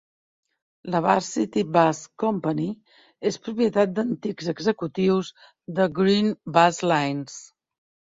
La Varsity Bus Company és propietat d'antics executius de Green Bus Lines.